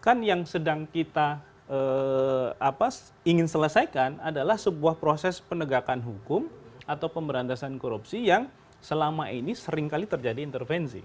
kan yang sedang kita ingin selesaikan adalah sebuah proses penegakan hukum atau pemberantasan korupsi yang selama ini seringkali terjadi intervensi